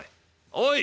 おい！